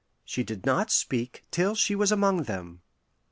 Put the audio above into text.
She did not speak till she was among them.